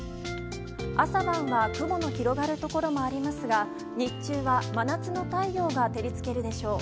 朝晩は雲の広がるところもありますが日中は真夏の太陽が照りつけるでしょう。